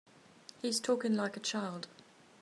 He's talking like a child.